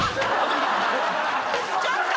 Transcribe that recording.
ちょっと！